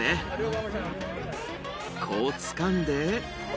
こうつかんで。